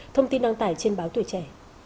thông tin đăng tải trên báo tuổi trẻ